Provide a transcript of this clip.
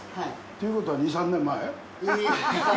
ということは２３年前？